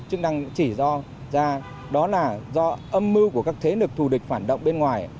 chỉ do ra đó là do âm mưu của các thế lực thù địch phản động bên ngoài